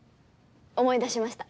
思い出しました。